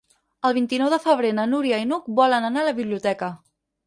El vint-i-nou de febrer na Núria i n'Hug volen anar a la biblioteca.